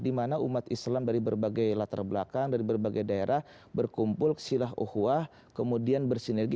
dimana umat islam dari berbagai latar belakang dari berbagai daerah berkumpul silah uhuah kemudian bersinergi